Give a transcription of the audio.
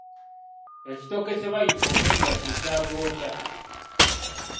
Ekitooke kye bayita omujjwa kye kya gonja.